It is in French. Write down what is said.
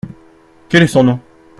Quel est son nom ?